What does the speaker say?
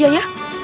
ya udah deh ustadz